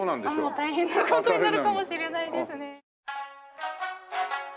もう大変な事になるかもしれないですね。